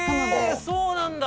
そうなんだ！